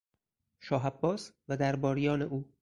شاه عباس و درباریان او